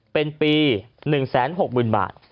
เป็นปี๑๖๐๐๐บาท